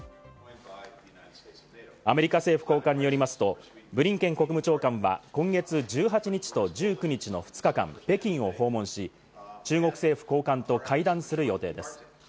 アメリカ政府高官によりますと、ブリンケン国務長官は今月１８日と１９日の２日間、北京を訪問し、中国政府高官と会談する予定です。